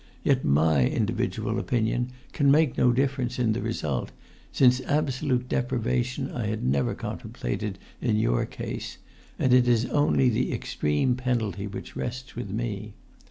Yet my individual opinion can make no difference in the result, since absolute deprivation I had never contemplated in your case, and it is only the extreme penalty which rests with me.